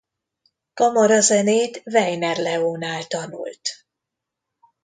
Kamarazenét Weiner Leónál tanult.